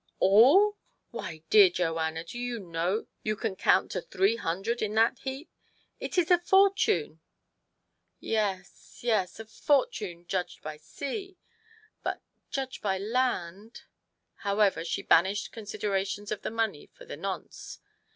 All ? Why, dear Joanna, do you know you can count to three hundred in that heap ? It is a fortune !" TO PLEASE HIS WIFE. 127 " Yes yes. A fortune judged by sea ; but judged by land " However, she banished considerations of the money for the nonce.